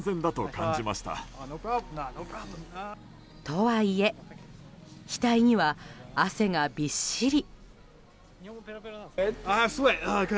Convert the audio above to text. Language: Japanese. とはいえ額には汗がびっしり。